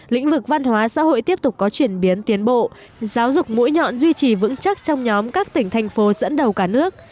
lĩnh vực văn hóa xã hội tiếp tục có chuyển biến tiến bộ giáo dục mũi nhọn duy trì vững chắc trong nhóm các tỉnh thành phố dẫn đầu cả nước